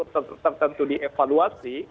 itu tertentu dievaluasi